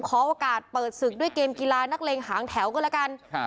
ขอโอกาสเปิดศึกด้วยเกมกีฬานักเลงหางแถวก็แล้วกันครับ